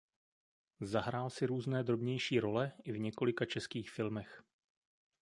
Zahrál si různé drobnější role i v několika českých filmech.